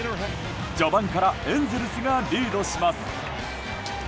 序盤からエンゼルスがリードします。